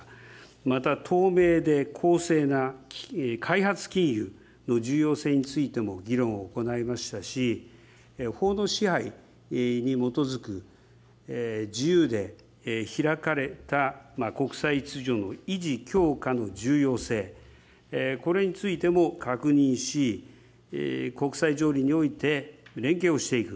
また透明で公正な開発金融の重要性についても議論を行いましたし、法の支配に基づく自由で開かれた国際秩序の維持強化の重要性、これについても確認し、国際情勢において連携をしていく、